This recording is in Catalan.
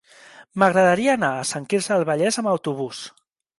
M'agradaria anar a Sant Quirze del Vallès amb autobús.